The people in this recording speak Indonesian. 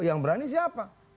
yang berani siapa